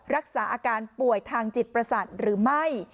รักษาอาการป่วยทางจิตประสาทหรือไม่